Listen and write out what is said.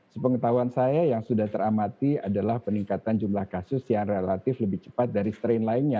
sepengetahuan saya yang sudah teramati adalah peningkatan jumlah kasus yang relatif lebih cepat dari strain lainnya